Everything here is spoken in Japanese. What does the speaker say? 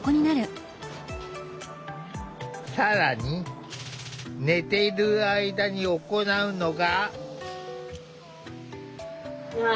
更に寝ている間に行うのが。